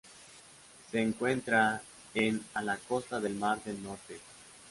Se encuentra en a la costa del mar del Norte.